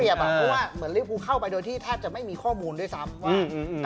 เพราะลิฟพูเข้าไปโดยที่แทบจะไม่มีข้อมูลด้วยซ้ำว่า